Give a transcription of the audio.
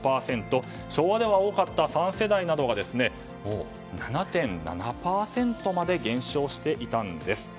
昭和で多かった３世代などは７．７％まで減少していたんです。